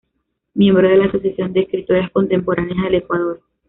Miembro de la Asociación de Escritoras Contemporáneas del Ecuador.